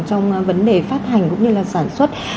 trong vấn đề phát hành cũng như là sản xuất